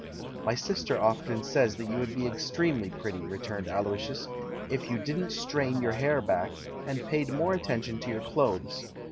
" "My sister often says that you would be ex tremely pretty," returned Aloysius, "if you didn't strain your hair back, and paid more attention to your clothes.